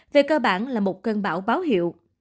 về cơ bản là một cơn bão báo hiệu